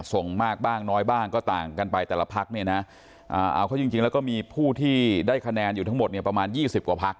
ส่งมากบ้างน้อยบ้างก็ต่างกันไปแต่ละพักเนี่ยนะเอาเขาจริงแล้วก็มีผู้ที่ได้คะแนนอยู่ทั้งหมดเนี่ยประมาณ๒๐กว่าพัก